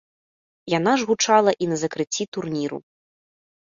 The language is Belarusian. Яна ж гучала і на закрыцці турніру.